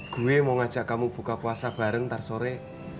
gue mau ngajak kamu buka puasa bareng ntar sore